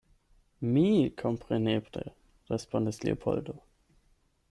Mi kompreneble, respondis Leopoldo.